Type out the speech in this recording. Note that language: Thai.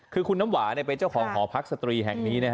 คือคุณน้ำหวาเป็นเจ้าของหอพักสตรีแห่งนี้นะฮะ